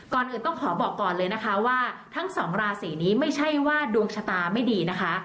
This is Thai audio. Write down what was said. ก่อนอื่นต้องขอบอกก่อนเลยนะคะว่าทั้งสองราศีนี้ไม่ใช่ว่าดวงชะตาไม่ดีนะคะ